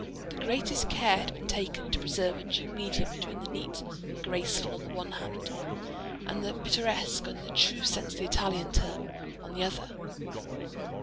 The greatest care had been taken to preserve a due medium between the neat and graceful on the one hand, and the pittoresque, in the true sense of the Italian term, on the other.